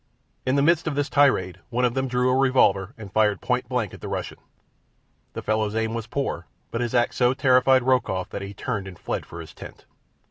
In the midst of this tirade one of them drew a revolver and fired point blank at the Russian. The fellow's aim was poor, but his act so terrified Rokoff that he turned and fled for his tent.